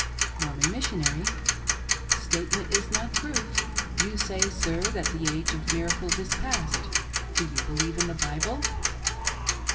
Mormon : Statement is not proof. You say, sir, that the age of miracles is past. — Do you believe in the Bible